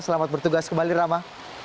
selamat bertugas kembali rama